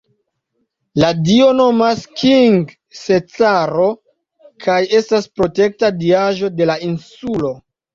La dio nomas King-Cesaro kaj estas protekta diaĵo de la insulo.